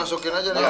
masukin aja deh